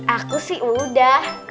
aku sih udah